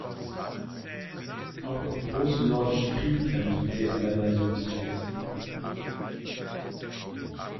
Auch im Großen Nordischen Krieg kämpften sie an der Seite Russlands.